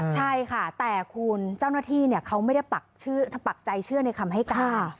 ใช่ค่ะแต่คุณเจ้าหน้าที่เขาไม่ได้ปักใจเชื่อในคำให้การ